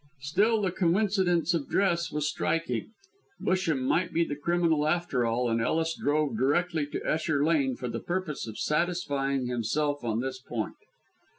Still, the coincidence of dress was striking. Busham might be the criminal, after all, and Ellis drove directly to Esher Lane for the purpose of satisfying himself on this point.